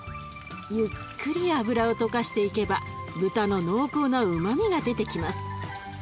ゆっくり脂を溶かしていけば豚の濃厚なうまみが出てきます。